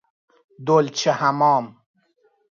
دولچه حمام